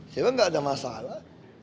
saya kan enggak ada masalah